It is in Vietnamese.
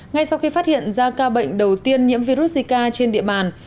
ngay sau khi phát hiện ra ca bệnh đầu tiên nhiễm virus zika trên địa bàn